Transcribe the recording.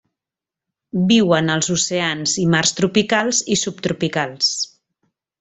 Viuen als oceans i mars tropicals i subtropicals.